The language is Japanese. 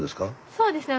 そうですね